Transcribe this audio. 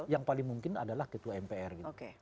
yang paling mungkin adalah ketua mpr gitu